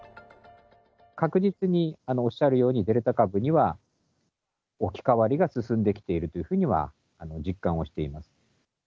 確実におっしゃるように、デルタ株には置き換わりが進んできているというふうには実感をしています。